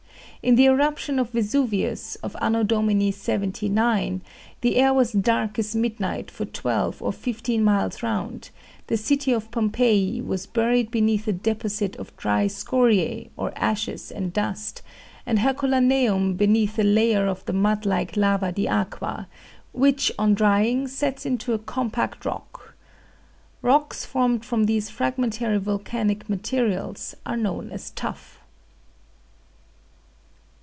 In the eruption of Vesuvius of A.D. 79, the air was dark as midnight for twelve or fifteen miles round; the city of Pompeii was buried beneath a deposit of dry scoriae, or ashes and dust, and Herculaneum beneath a layer of the mud like lava di aqua, which on drying sets into a compact rock. Rocks formed from these fragmentary volcanic materials are known as tuff.